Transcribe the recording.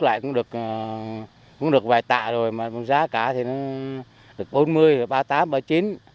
cung cố trịt thuốc lại cũng được vài tạ rồi mà giá cả thì nó được bốn mươi ba mươi tám ba mươi chín